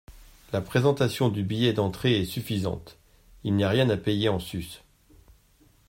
La présentation du billet d’entrée est suffisante, il n’y a rien à payer en sus.